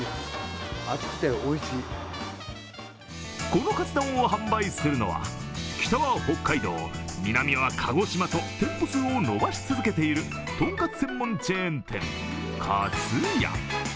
このカツ丼を販売するのは北は北海道、南は鹿児島と店舗数を伸ばし続けているとんかつ専門チェーン店、かつや。